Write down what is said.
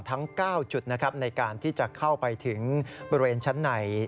ทั้ง๙จุดนะครับในการที่จะเข้าไปถึงบริเวณชั้นใน